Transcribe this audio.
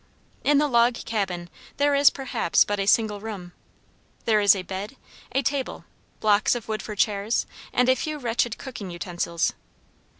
In the log cabin there is perhaps but a single room: there is a bed, a table, blocks of wood for chairs, and a few wretched cooking utensils.